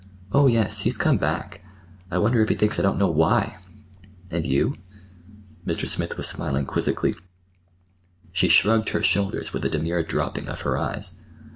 "Oh, yes, he's come back. I wonder if he thinks I don't know—why!" "And—you?" Mr. Smith was smiling quizzically. She shrugged her shoulders with a demure dropping of her eyes.